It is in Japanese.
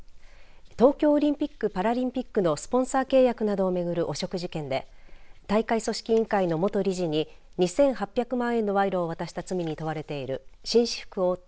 東京オリンピック・パラリンピックのスポンサー契約などを巡る汚職事件で大会組織委員会の元理事に２８００万円の賄賂を渡した罪に問われている紳士服大手